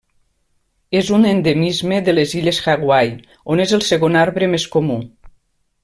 És un endemisme de les illes Hawaii, on és el segon arbre més comú.